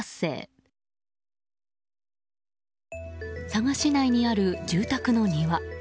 佐賀市内にある住宅の庭。